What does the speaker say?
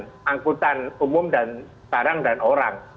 dan angkutan umum dan barang dan orang